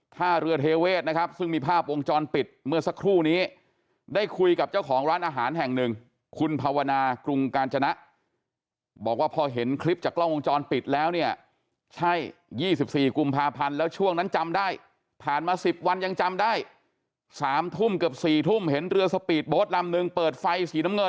ท่าเรือเทเวศนะครับซึ่งมีภาพวงจรปิดเมื่อสักครู่นี้ได้คุยกับเจ้าของร้านอาหารแห่งหนึ่งคุณภาวนากรุงกาญจนะบอกว่าพอเห็นคลิปจากกล้องวงจรปิดแล้วเนี่ยใช่๒๔กุมภาพันธ์แล้วช่วงนั้นจำได้ผ่านมา๑๐วันยังจำได้๓ทุ่มเกือบ๔ทุ่มเห็นเรือสปีดโบ๊ทลำนึงเปิดไฟสีน้ำเงิน